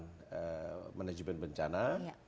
pengelolaan manajemen bencana